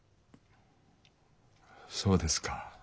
そうですか。